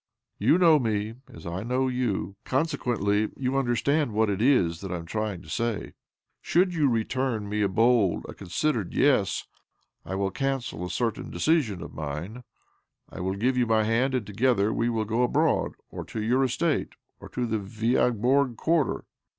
You know me as I know you : consequently you under stand what it is that I am trying to say. IS ^ч 22б OBLOMOV Should you return me a bold, a considered ' Yes/ I will cantiel a certain decision of mine — I will give you my hand, and together we will go abroad, or to your estate, or to the Veaborg Quarter."